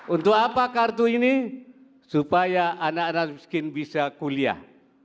untuk apa kartu ini supaya anak anak miskin bisa kuliah